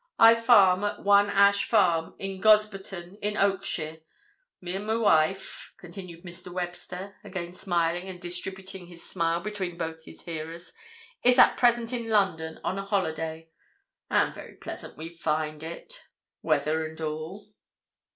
I farm at One Ash Farm, at Gosberton, in Oakshire. Me and my wife," continued Mr. Webster, again smiling and distributing his smile between both his hearers, "is at present in London on a holiday. And very pleasant we find it—weather and all."